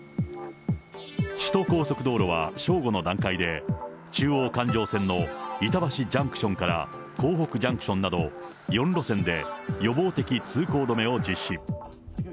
首都高速道路は正午の段階で、中央環状線の板橋ジャンクションから江北ジャンクションなど４路線で、予防的通行止めを実施。